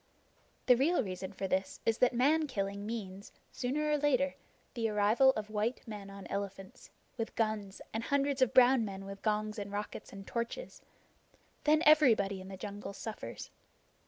The real reason for this is that man killing means, sooner or later, the arrival of white men on elephants, with guns, and hundreds of brown men with gongs and rockets and torches. Then everybody in the jungle suffers.